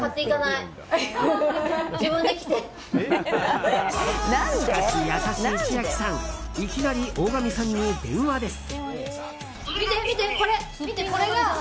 いきなり大神さんに電話です。